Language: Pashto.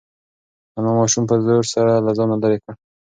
انا ماشوم په زور سره له ځانه لرې کړ.